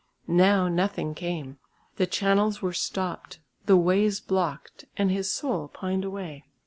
Now nothing came; the channels were stopped, the ways blocked, and his soul pined away.